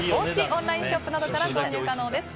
オンラインショップなどから購入可能です。